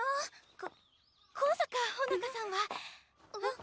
こ高坂穂乃果さんは。